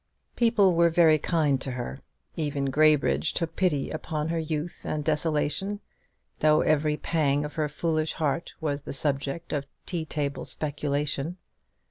People were very kind to her. Even Graybridge took pity upon her youth and desolation; though every pang of her foolish heart was the subject of tea table speculation.